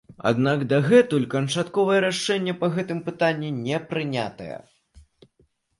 Аднак дагэтуль канчатковае рашэнне па гэтым пытанні не прынятае.